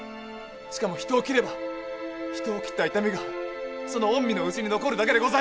しかも人を斬れば人を斬った痛みがその御身の内に残るだけでございましょう！